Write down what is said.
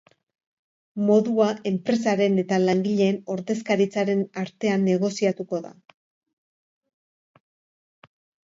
Modua, enpresaren eta langileen ordezkaritzaren artean negoziatuko da.